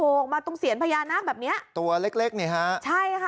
ออกมาตรงเสียญพญานาคแบบเนี้ยตัวเล็กเล็กนี่ฮะใช่ค่ะ